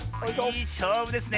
いいしょうぶですね。